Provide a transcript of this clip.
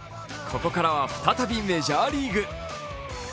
ここからは再びメジャーリーグ。